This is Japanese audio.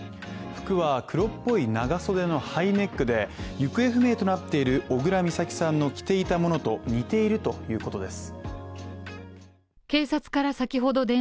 服は黒っぽい長袖のハイネックで行方不明となっている小倉美咲さんの着ていたものと似ているということです。